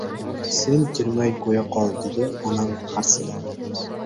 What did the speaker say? — Sen kirmay qo‘ya qol, — dedi onam harsillab.